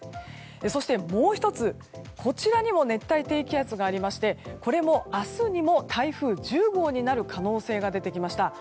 そしてもう１つ、こちらにも熱帯低気圧がありましてこれも、明日にも台風１０号になる可能性が出てきました。